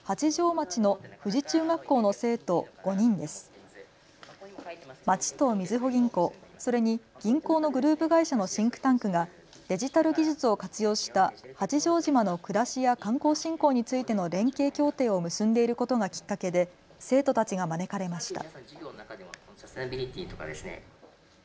町とみずほ銀行、それに銀行のグループ会社のシンクタンクがデジタル技術を活用した八丈島の暮らしや観光振興についての連携協定を結んでいることがきっかけで生徒たちが招かれました。